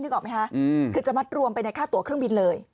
คือจะมัดรวมไปในค่าตัวเครื่องบินเลย